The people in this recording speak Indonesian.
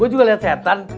gua juga liat setan